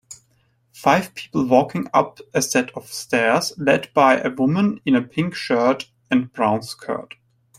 Five people walking up a set of stairs led by a woman in a pink shirt and brown skirt